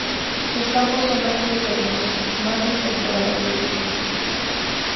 Sus campos son amplios y hermosos más en temporadas de lluvia.